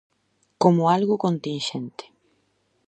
Como algo continxente.